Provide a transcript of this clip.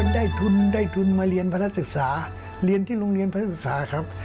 ได้ทุนได้ทุนมาเรียนพนักศึกษาเรียนที่โรงเรียนพระราชศึกษาครับ